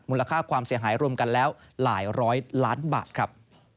ค่าความเสียหายรวมกันแล้วหลายร้อยล้านบาทครับ